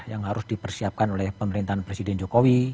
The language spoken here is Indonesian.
yang harus dipersiapkan oleh pemerintahan presiden jokowi